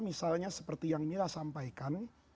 misalnya seperti yang mila sampaikan